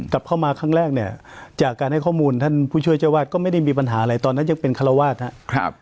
กลับเข้ามาครั้งแรกเนี่ยจากการให้ข้อมูลท่านผู้ช่วยเจ้าวาดก็ไม่ได้มีปัญหาอะไรตอนนั้นยังเป็นคารวาสครับ